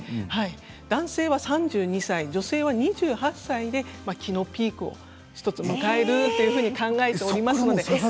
男性は３２歳、女性は２８歳で気のピークを迎えるというふうに考えられています。